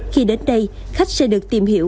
khi đến đây khách sẽ được tìm hiểu